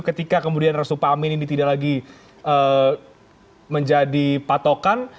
ketika kemudian restu pak amin ini tidak lagi menjadi patokan